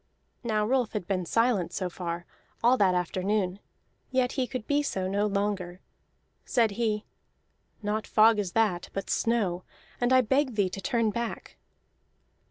Now Rolf had been silent so far, all that afternoon; yet he could be so no longer. Said he: "Not fog is that, but snow, and I beg thee to turn back."